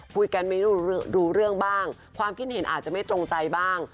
คุยกันไม่รู้เรื่องบ้างความคิดเห็นอาจจะไม่ตรงใจบ้าง